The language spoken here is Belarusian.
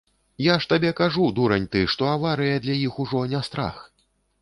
Я ж табе кажу, дурань ты, што аварыя для іх ужо не страх.